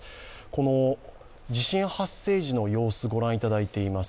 この地震発生時の様子ご覧いただいています。